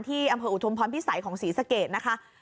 ที่อำเภออุทมพรพิษัยของศรีสเกตนะคะ